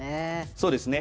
そうですね。